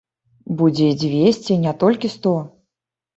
Будзе і дзвесце, не толькі сто!